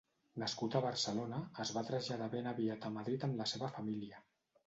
Nascut a Barcelona, es va traslladar ben aviat a Madrid amb la seva família.